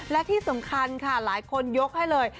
และที่สำคัญค่ะหลายคนยกให้เลย